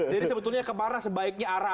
jadi sebetulnya kemana sebaiknya arah